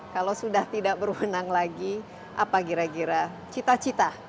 kalau sudah tidak berwenang lagi apa kira kira cita cita